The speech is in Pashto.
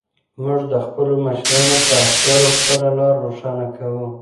موږ د خپلو مشرانو په افکارو خپله لاره روښانه کوو.